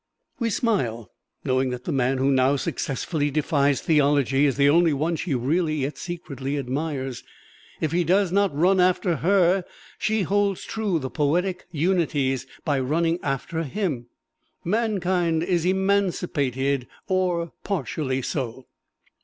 We smile, knowing that the man who now successfully defies theology is the only one she really, yet secretly, admires. If he does not run after her, she holds true the poetic unities by running after him. Mankind is emancipated (or partially so).